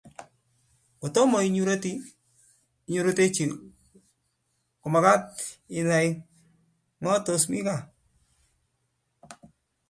Kotoma nyirutechi komakat inai ngo tos mito gaa